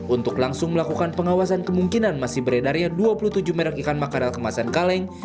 untuk langsung melakukan pengawasan kemungkinan masih beredarnya dua puluh tujuh merek ikan makarel kemasan kaleng